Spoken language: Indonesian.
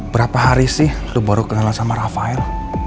berapa hari sih lo baru kenal sama rafael